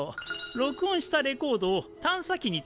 録音したレコードを探査機に積んだんだ。